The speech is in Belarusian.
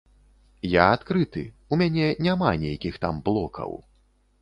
Я адкрыты, у мяне няма нейкіх там блокаў.